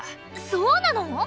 そうなの！？